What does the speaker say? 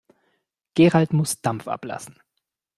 Gerald muss Dampf ablassen.